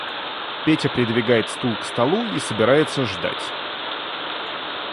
Петя придвигает стул к столу и собирается ждать.